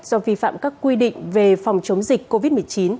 do vi phạm các quy định về phòng chống dịch covid một mươi chín